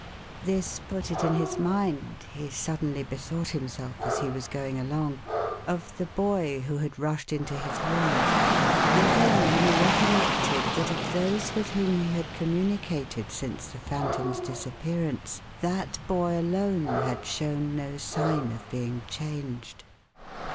This put it in his mind — he suddenly bethought himself, as he was going along, of the boy who had rushed into his room. And then he recollected, that of those with whom he had communicated since the Phantom's disappearance, that boy alone had shown no sign of being changed.